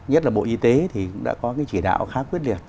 nhất là bộ y tế thì cũng đã có cái chỉ đạo khá quyết liệt